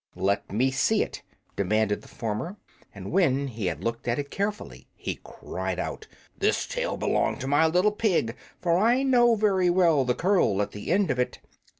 "Let me see it," demanded the farmer; and when he had looked at it carefully he cried out, "This tail belonged to my little pig, for I know very well the curl at the end of it!